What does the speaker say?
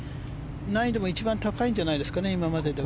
難易度も一番高いんじゃないですかね今までで。